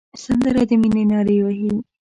سندره د مینې نارې وهي